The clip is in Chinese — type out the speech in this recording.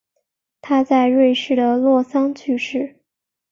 他在瑞士的洛桑去世。